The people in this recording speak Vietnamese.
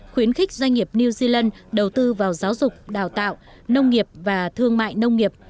khuyến khích doanh nghiệp new zealand đầu tư vào giáo dục đào tạo nông nghiệp và thương mại nông nghiệp